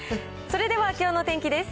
それではきょうの天気です。